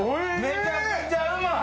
めちゃくちゃうまい。